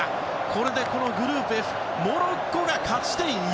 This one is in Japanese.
これで、このグループＦモロッコが勝ち点４。